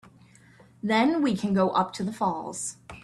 Then we can go up to the falls.